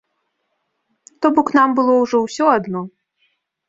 То бок нам было ўжо ўсё адно.